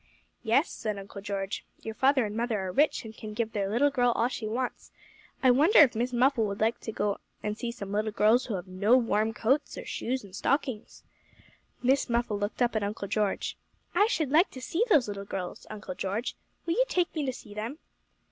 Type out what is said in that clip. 'Yes,' said Uncle George; 'your father and mother are rich, and can give their little girl all she wants. I wonder if Miss Muffle would like to go and see some little girls who have no warm coats or shoes and stockings?' Miss Muffle looked up at Uncle George. 'I should like to see those little girls, Uncle George. Will you take me to see them?